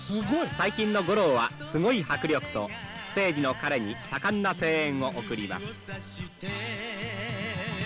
「最近の五郎はすごい迫力とステージの彼に盛んな声援を送ります」。